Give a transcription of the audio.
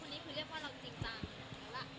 แต่คุณนี้คือเรียกว่าเรามันจริงจัง